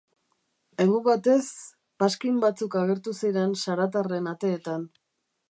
Egun batez, paskin batzuk agertu ziren saratarren ateetan.